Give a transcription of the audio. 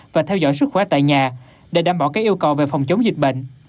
và theo dõi sức khỏe tại nhà để đảm bảo các yêu cầu về phòng chống dịch bệnh